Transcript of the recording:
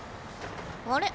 あれ？